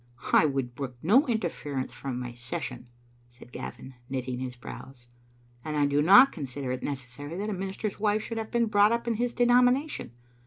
"I would brook no interference from my session," said Gavin, knitting his brows, " and I do not consider it necessary that a minister's wife should have been brought up in his denomination.